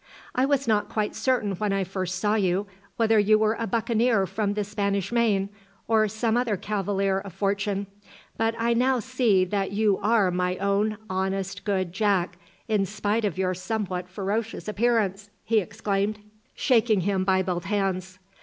"I was not quite certain when I first saw you whether you were a buccaneer from the Spanish Main, or some other cavalier of fortune; but I now see that you are my own honest, good Jack, in spite of your somewhat ferocious appearance!" he exclaimed, shaking him by both hands.